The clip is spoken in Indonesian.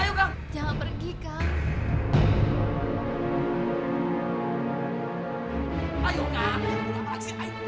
jangan pergi kak